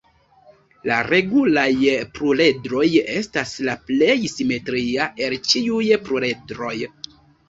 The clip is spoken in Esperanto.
La regulaj pluredroj estas la plej simetria el ĉiuj pluredroj.